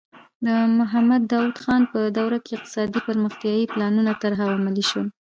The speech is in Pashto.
د محمد داؤد خان په دوره کې اقتصادي پرمختیايي پلانونه طرح او عملي شول.